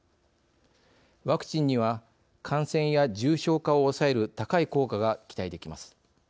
ワクチンには感染や重症化を抑える高い効果が期待できます。